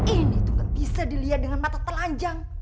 ini tuh gak bisa dilihat dengan mata telanjang